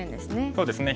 そうですね。